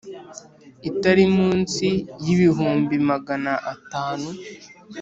Itari munsi y ibihumbi magana atanu